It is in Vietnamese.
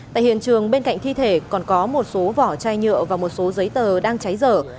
tại hiện trường bên cạnh thi thể còn có một số vỏ chai nhựa và một số giấy tờ đang cháy dở